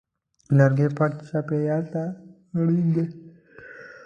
لرګی پاک چاپېریال ته اړین دی.